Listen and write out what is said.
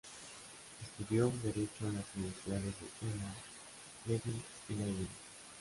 Estudió derecho en las universidades de Jena, Leipzig y Leiden.